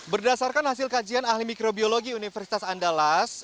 berdasarkan hasil kajian ahli mikrobiologi universitas andalas